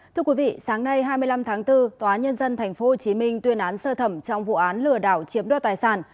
thưa quý vị sáng nay hai mươi năm tháng bốn tòa nhân dân tp hcm tuyên án sơ thẩm trong vụ án lừa đảo chiếm đoạt tài sản